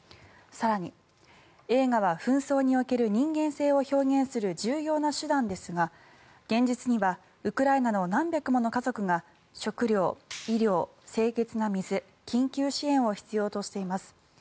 更に、映画は紛争における人間性を表現する重要な手段ですが、現実にはウクライナの何百もの家族が食料、医療、清潔な水緊急支援を必要としています。